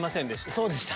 そうでした。